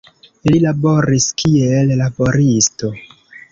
Li laboris kiel laboristo.